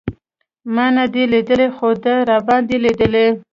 ما نه دی لېدلی خو ده راباندې لېدلی.